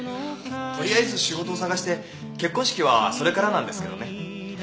とりあえず仕事を探して結婚式はそれからなんですけどね。